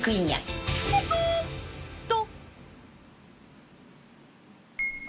と。